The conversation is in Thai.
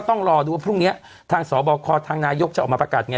ต้องรอดูว่าพรุ่งนี้ทางสบคทางนายกจะออกมาประกาศไง